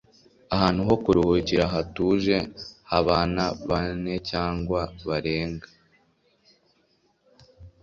ahantu ho kuruhukira hatuje h'abana bane cyangwa barenga